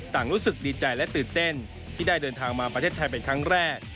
รู้สึกดีใจและตื่นเต้นที่ได้เดินทางมาประเทศไทยเป็นครั้งแรก